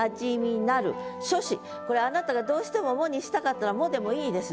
これあなたがどうしても「も」にしたかったら「も」でもいいです。